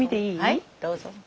はいどうぞ。